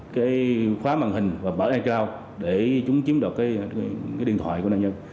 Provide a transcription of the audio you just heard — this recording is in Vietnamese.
cái khóa màn hình và mở icloud để chúng chiếm được cái điện thoại của nạn nhân